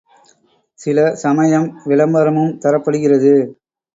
சில சமயம் விளம்பரமும் தரப்படுகிறது.